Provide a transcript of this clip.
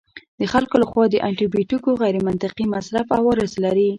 د خلکو لخوا د انټي بیوټیکو غیرمنطقي مصرف عوارض لري.